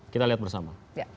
kita lihat bersama